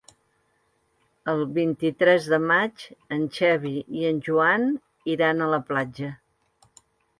El vint-i-tres de maig en Xavi i en Joan iran a la platja.